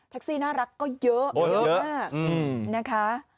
แพ็กซี่น่ารักก็เยอะมาก